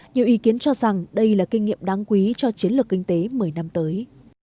nhiều ý kiến cho rằng đây là kinh nghiệm đáng quý cho chiến lược kinh tế một mươi năm tới